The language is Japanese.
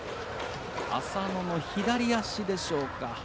浅野の左足でしょうか。